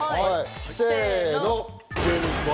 せの！